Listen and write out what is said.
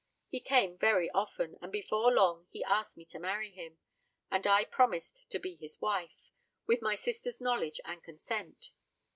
He came very often, and before long he asked me to marry him; and I promised to be his wife, with my sister's knowledge and consent.